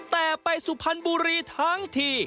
แต่ไปสุพรรณบุรีทั้งที